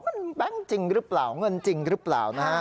มันแบงค์จริงหรือเปล่าเงินจริงหรือเปล่านะฮะ